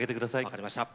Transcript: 分かりました。